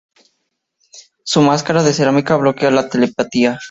Su máscara de cerámica bloquea la telepatía.